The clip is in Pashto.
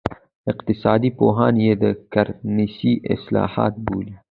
اقتصاد پوهان یې د کرنسۍ اصلاحات بولي.